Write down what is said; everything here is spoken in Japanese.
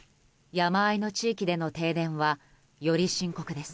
山あいの地域での停電はより深刻です。